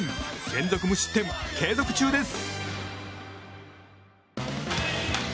連続無失点、継続中です。